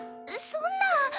そんな。